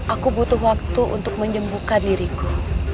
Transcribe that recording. aku butuh waktu untuk menyembuhkan diriku